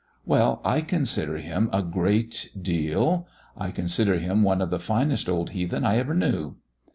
"Well, I consider him a great deal. I consider him one of the finest old heathen I ever knew."